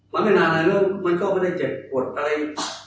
มาไม่หรอกมันก็ไม่ได้เจ็บหวัดใจ